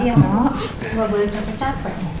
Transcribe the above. iya gak boleh capek capek